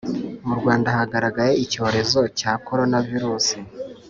Murwanda hagaragaye icyorezo cya corona virus